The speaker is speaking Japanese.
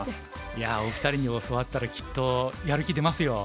いやお二人に教わったらきっとやる気出ますよ。